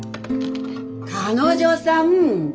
彼女さん。